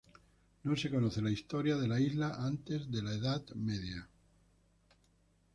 No se conoce la historia de la isla antes de la Edad Media.